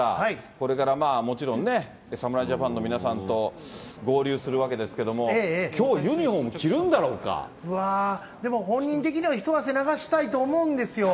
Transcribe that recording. これからもちろんね、侍ジャパンの皆さんと合流するわけですけれども、きょう、うわー、でも本人的には一汗流したいと思うんですよ。